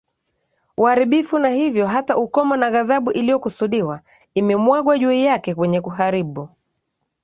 uharibifu na hivyo hata ukomo na ghadhabu iliyokusudiwa imemwagwa juu yake mwenye kuharibu